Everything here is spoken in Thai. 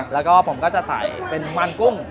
แล้วก็ผมก็จะใส่เป็นมันกุ้ง